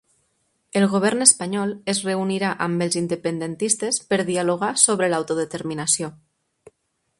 El govern espanyol es reunirà amb els independentistes per dialogar sobre l'autodeterminació